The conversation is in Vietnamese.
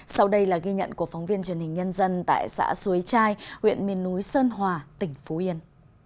sau đây là ghi nhận của phóng viên truyền hình nhân dân tại xã suối trai huyện miền núi sơn hòa tỉnh phú yên